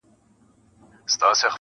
خدايه ژر ځوانيمرگ کړې چي له غمه خلاص سو